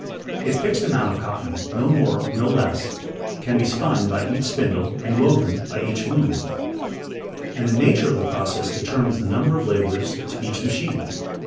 A fixed amount of cotton, no more, no less, can be spun by each spindle and woven by each loom; and the nature of the process determines the number of laborers to each machine.